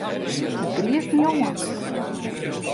It griist my oan.